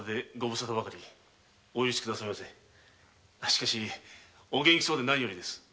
しかしお元気そうで何よりです。